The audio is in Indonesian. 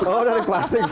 oh dari plastik pak ya